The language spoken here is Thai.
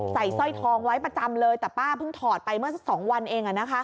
ใส่สร้อยทองไว้ประจำเลยแต่ป้าเพิ่งถอดไปเมื่อสักสองวันเองอ่ะนะคะ